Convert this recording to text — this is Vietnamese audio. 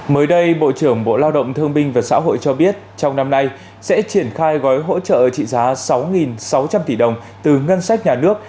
mới đây bộ trưởng bộ lao động thương binh và xã hội cho biết trong năm nay sẽ triển khai gói hỗ trợ trị giá sáu sáu trăm linh tỷ đồng từ ngân sách nhà nước